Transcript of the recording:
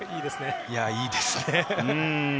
いいですね。